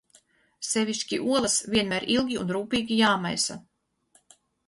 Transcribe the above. Sevišķi olas vienmēr ilgi un rūpīgi jāmaisa.